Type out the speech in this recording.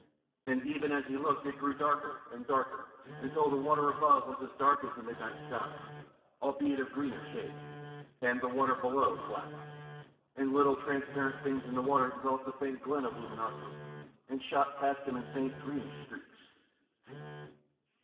And even as he looked, it grew darker and darker, until the water above was as dark as the midnight sky, albeit of a greener shade, and the water below black. And little transparent things in the water developed a faint glint of luminosity, and shot past him in faint greenish streaks.